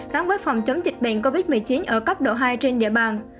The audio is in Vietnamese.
gắn với phòng chống dịch bệnh covid một mươi chín ở cấp độ hai trên địa bàn